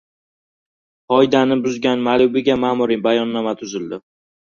Qoidani buzgan "Malibu"ga ma’muriy bayonnoma tuzildi